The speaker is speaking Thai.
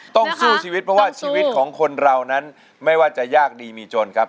สู้ชีวิตเพราะว่าชีวิตของคนเรานั้นไม่ว่าจะยากดีมีจนครับ